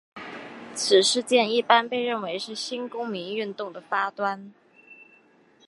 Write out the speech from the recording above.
此事件一般被认为是新公民运动的发端。